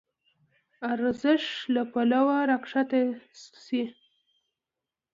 ارزش له پلوه راکښته شي.